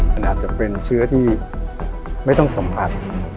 มันอาจจะเป็นเชื้อที่ไม่ต้องสัมผัส